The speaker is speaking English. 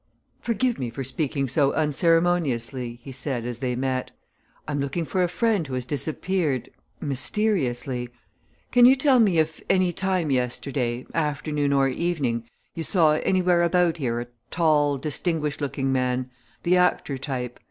"Forgive me for speaking so unceremoniously," he said as they met. "I'm looking for a friend who has disappeared mysteriously. Can you tell me if, any time yesterday, afternoon or evening, you saw anywhere about here a tall, distinguished looking man the actor type.